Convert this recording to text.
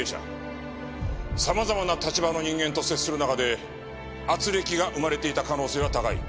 様々な立場の人間と接する中で軋轢が生まれていた可能性は高い。